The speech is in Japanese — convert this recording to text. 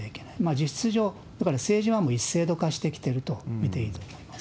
実質、だから政治は一制度化してきてると見ていいと思います。